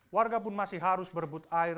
warga pun masih harus berebut air